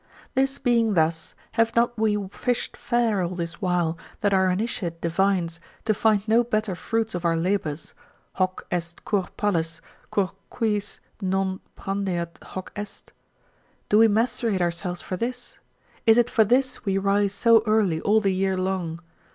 This being thus, have not we fished fair all this while, that are initiate divines, to find no better fruits of our labours, hoc est cur palles, cur quis non prandeat hoc est? do we macerate ourselves for this? Is it for this we rise so early all the year long?